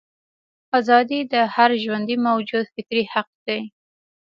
ازادي د هر ژوندي موجود فطري حق دی.